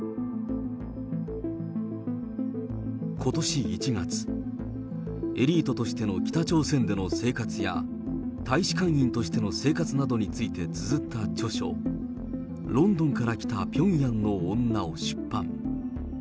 ことし１月、エリートとしての北朝鮮での生活や、大使館員としての生活などについてつづった著書、ロンドンから来たピョンヤンの女を出版。